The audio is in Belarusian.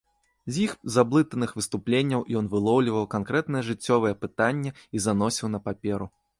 З іх заблытаных выступленняў ён вылоўліваў канкрэтнае жыццёвае пытанне і заносіў на паперу.